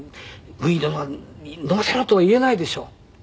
軍医殿に「飲ませろ」とは言えないでしょ。